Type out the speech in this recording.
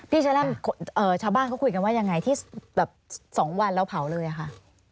เชร่มชาวบ้านเขาคุยกันว่ายังไงที่แบบ๒วันแล้วเผาเลยอะค่ะ